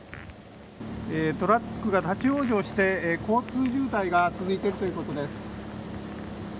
トラックが立ち往生して交通渋滞が続いているということです。